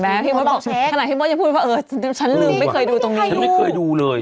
เห็นไหมขนาดที่บ้านยังพูดว่าเออฉันลืมไม่เคยดูตรงนี้